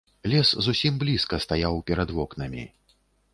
Лес зусім блізка стаяў перад вокнамі.